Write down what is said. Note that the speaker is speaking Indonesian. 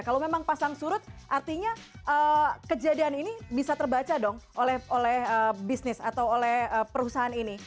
kalau memang pasang surut artinya kejadian ini bisa terbaca dong oleh bisnis atau oleh perusahaan ini